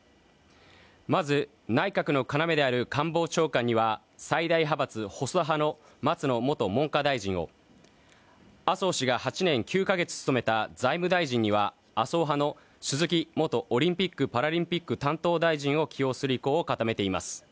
まず、内閣の要である官房長官には最大派閥・細田派の松野元文科大臣を麻生氏が８年９カ月務めた財務大臣には麻生派の鈴木元オリンピック・パラリンピック担当大臣を起用する意向を固めています。